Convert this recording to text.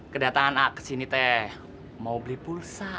kedatangan kesini teh mau beli pulsa